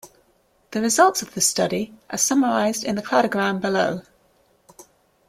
The results of this study are summarized in the cladogram below.